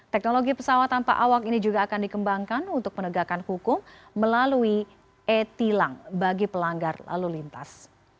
teknologi pesawat tanpa awak ini juga akan dikembangkan untuk penegakan hukum melalui e tilang bagi pelanggar lalu lintas